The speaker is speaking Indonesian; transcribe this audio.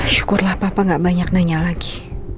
syukurlah papa gak banyak nanya lagi